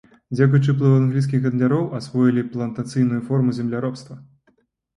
Дзякуючы ўплыву англійскіх гандляроў асвоілі плантацыйную форму земляробства.